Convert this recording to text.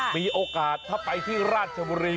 มีโอกาสถ้าไปที่ราชบุรี